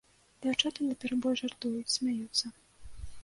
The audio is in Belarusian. Дзяўчаты наперабой жартуюць, смяюцца.